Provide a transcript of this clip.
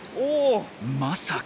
まさか。